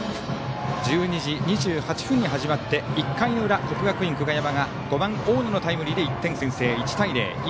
１２時２８分に始まって１回の裏、国学院久我山が５番、大野のタイムリーで先制１対０。